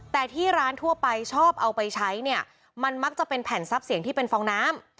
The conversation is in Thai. แต่ที่ร้านทั่วไปชอบเอาไปใช้เนี่ยมันมักจะเป็นแผ่นทรัพย์เสียงที่เป็นฟองน้ำ